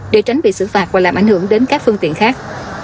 để tránh bị xử phạt và làm ảnh hưởng đến các phương tiện khác